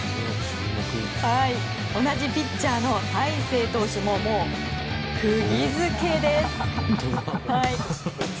同じピッチャーの大勢投手ももう釘付けです。